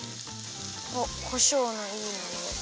おっこしょうのいいにおいだ。